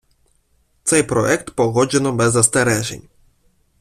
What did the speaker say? Цей проект погоджено без застережень.